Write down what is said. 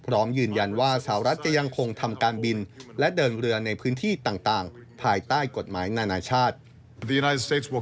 พร้อมยืนยันว่าสาวรัฐจะยังคงทำการบินและเดินเรือในพื้นที่ต่างภายใต้กฎหมายนานาชาติ